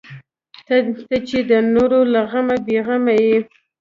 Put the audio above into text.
ته چې د نورو له غمه بې غمه یې.